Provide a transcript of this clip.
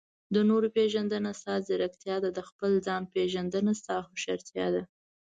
د نورو پېژندنه؛ ستا ځیرکتیا ده. د خپل ځان پېژندنه؛ ستا هوښيارتيا ده.